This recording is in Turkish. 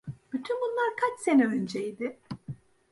Bütün bunlar kaç sene önceydi?